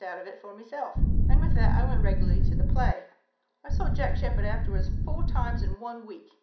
out of it for myself, and with that I went regularly to the play. I saw Jack Sheppard afterwards four times in one week.